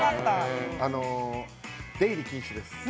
あの、出入り禁止です。